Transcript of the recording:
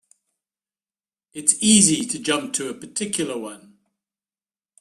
It's easy to jump to a particular one.